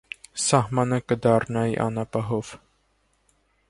Սահմանը կը դառնայ անապահով։